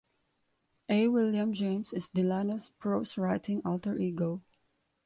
A. William James is Delano's prose-writing alter ego.